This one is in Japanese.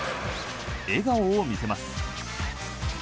笑顔を見せます。